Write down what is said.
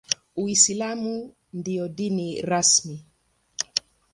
Uislamu ndio dini rasmi.